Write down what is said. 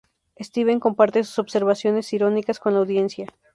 Steven comparte sus observaciones irónicas con la audiencia.